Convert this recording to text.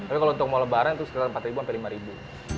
tapi kalau untuk mau lebaran itu sekitar empat sampai lima ribu